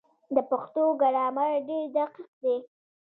د پښتو ګرامر ډېر دقیق دی.